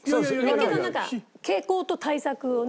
けどなんか傾向と対策をね。